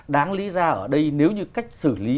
đáng lý ra ở đây nếu như cách xử lý